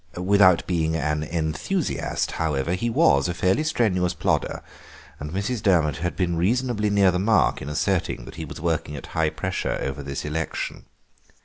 Without being an enthusiast, however, he was a fairly strenuous plodder, and Mrs. Durmot had been reasonably near the mark in asserting that he was working at high pressure over this election.